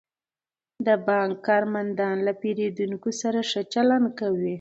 د بانک کارمندان له پیرودونکو سره ښه چلند کوي.